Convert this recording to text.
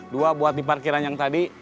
dua buat di parkiran yang tadi